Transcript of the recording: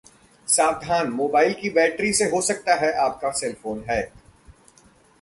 सावधान! मोबाइल की बैट्री से हो सकता है आपका सेलफोन हैक